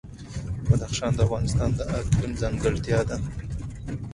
بدخشان د افغانستان د اقلیم ځانګړتیا ده.